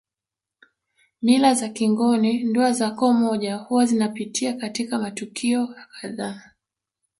Mila za kingoni ndoa za koo moja huwa zinapitia katika matukio kadhaa